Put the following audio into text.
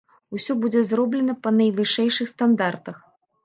Усё будзе зроблена па найвышэйшых стандартах.